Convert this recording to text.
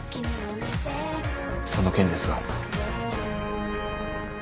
その件ですが。